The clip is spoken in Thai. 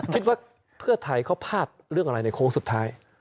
คิดว่าเพื่อไทยเขาพลาดเรื่องอะไรในโค้งสุดท้าย